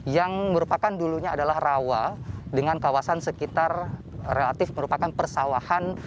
yang merupakan dulunya adalah rawa dengan kawasan sekitar relatif merupakan persawahan